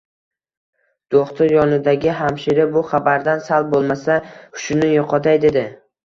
Do`xtir yonidagi hamshira bu xabardan sal bo`lmasa hushini yo`qotay, dedi